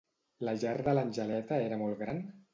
La llar de l'Angeleta era molt gran?